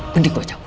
mending gue cabut